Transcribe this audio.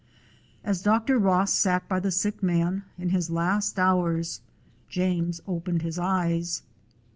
As Dr. Ross sat by the sick man in his last hours, James opened his eyes.